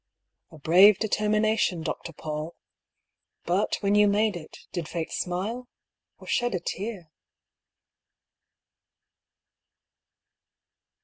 A brave determination. Dr. PauU! But, when you made it, did Fate smile, or shed a tear